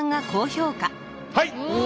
はい。